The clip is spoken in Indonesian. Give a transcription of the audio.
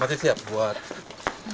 terus terus tanpa hambatan